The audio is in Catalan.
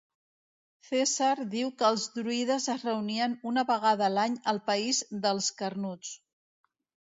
Cèsar diu que els druides es reunien una vegada a l'any al país dels carnuts.